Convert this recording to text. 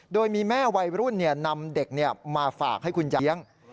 โดยมีแม่วัยรุ่นนำเด็กมาฝากให้คุณเลี้ยง